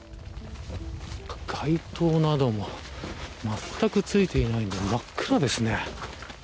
街灯などもまったくついていないので真っ暗ですね。